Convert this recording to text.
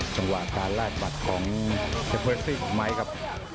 จังหวะการลากบัตรของเจมมุญี่ปุ่นครับ